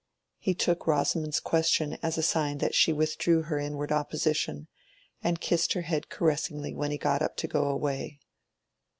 He took Rosamond's question as a sign that she withdrew her inward opposition, and kissed her head caressingly when he got up to go away.